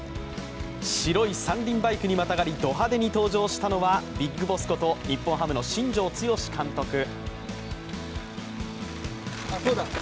白い三輪バイクにまたがりド派手に登場したのはビッグボスこと日本ハムの新庄剛志監督。